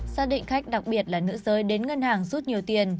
xác định khách đặc biệt là nữ giới đến ngân hàng rút nhiều tiền